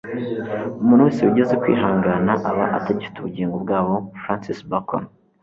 umuntu wese wigeze kwihangana aba atagifite ubugingo bwabo. - francis bacon